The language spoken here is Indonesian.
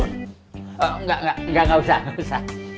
enggak enggak enggak usah